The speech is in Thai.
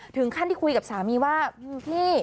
ถึงขั้นที่คุยกับสามีว่าว้าวววเห้อ